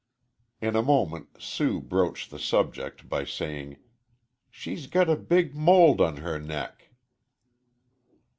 In a moment Sue broached the subject by saying, "She's got a big mold on her neck."